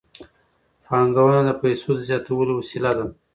پانګونه د پیسو د زیاتولو وسیله ده.